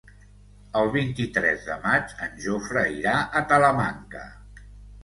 El vint-i-tres de maig en Jofre irà a Talamanca.